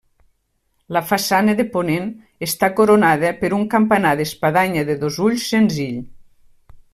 La façana de ponent està coronada per un campanar d'espadanya de dos ulls, senzill.